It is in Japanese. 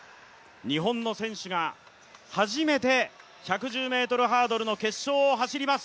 日本の選手が初めて１１０ｍハードルの決勝を走ります。